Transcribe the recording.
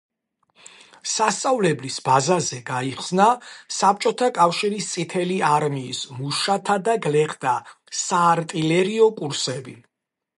სასწავლებლის ბაზაზე გაიხსნა საბჭოთა კავშირის წითელი არმიის მუშათა და გლეხთა საარტილერიო კურსები.